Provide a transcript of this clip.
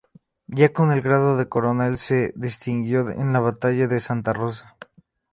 Ya con el grado de coronel se distinguió en la Batalla de Santa Rosa.